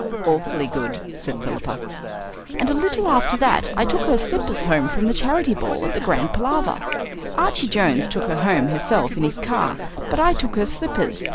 "Awfully good," said Philippa. "And a little after that I took her slippers home from the Charity Ball at the Grand Palaver. Archie Jones took her home herself in his car, but I took her slippers.